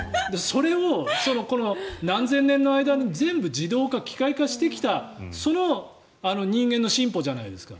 それを何千年の間に全部自動化、機械化してきたその人間の進歩じゃないですか。